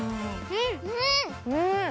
うん！